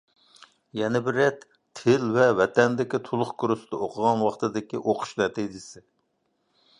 يەنە بىرى، تىل ۋە ۋەتەندىكى تولۇق كۇرستا ئوقۇغان ۋاقتىدىكى ئوقۇش نەتىجىسى.